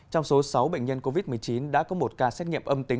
trong số sáu bệnh nhân covid một mươi chín đã có một ca xét nghiệm âm tính